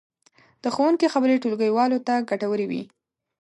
د ښوونکي خبرې ټولګیوالو ته ګټورې وې.